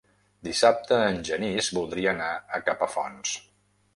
Dissabte en Genís voldria anar a Capafonts.